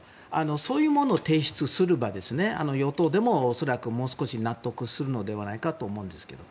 そういうものを提出すれば与党でも恐らくもう少し納得するのではないかと思うんですけど。